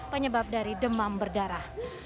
penyebab dari demam berdarah